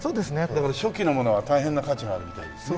だから初期のものは大変な価値があるみたいですね。